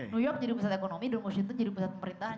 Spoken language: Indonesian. new york jadi pusat ekonomi dan washington jadi pusat pemerintahan